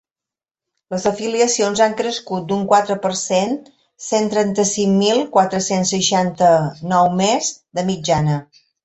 Les afiliacions han crescut d’un quatre per cent, cent trenta-cinc mil quatre-cents seixanta-nou més, de mitjana.